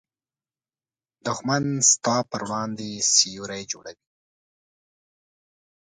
دښمن ستا پر وړاندې سیوری جوړوي